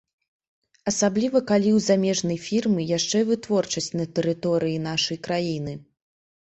Асабліва калі ў замежнай фірмы яшчэ і вытворчасць на тэрыторыі нашай краіны.